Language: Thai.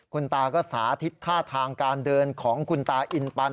คุณตาก็สาธิตท่าทางการเดินของคุณตาอินปัน